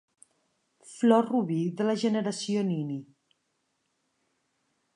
Flor robí de la generació Nini.